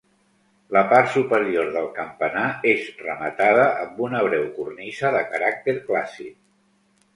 La part superior del campanar és rematada amb una breu cornisa de caràcter clàssic.